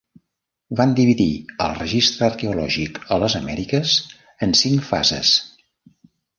Van dividir el registre arqueològic a les Amèriques en cinc fases.